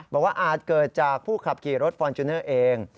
อาจเกิดจากผู้ขับขี่รถฟอร์จูเนอร์เอง